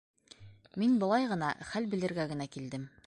Мин былай ғына, хәл белергә генә килдем.